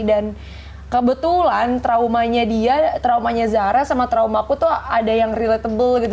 dan kebetulan traumanya dia traumanya zara sama trauma aku tuh ada yang relatable gitu